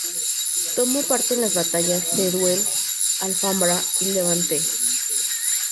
Tomó parte en las batallas Teruel, Alfambra y Levante.